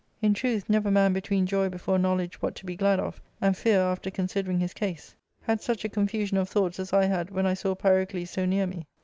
In truth, never man between joy before knowledge what to be glad of, and fear after considering his case, had such a confusion of thoughts as I had when I saw Pyrocles so near me."